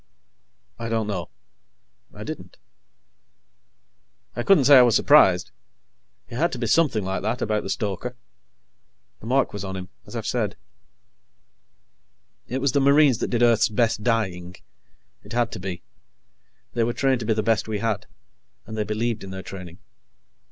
"I don't know." I didn't. I couldn't say I was surprised. It had to be something like that, about the stoker. The mark was on him, as I've said. It was the Marines that did Earth's best dying. It had to be. They were trained to be the best we had, and they believed in their training.